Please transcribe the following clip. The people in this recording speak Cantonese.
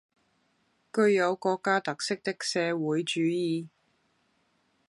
具有國家特色的社會主義